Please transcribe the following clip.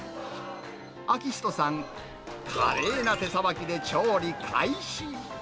明人さん、華麗な手さばきで調理開始。